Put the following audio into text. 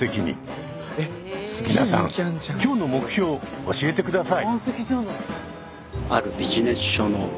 皆さん今日の目標教えてください。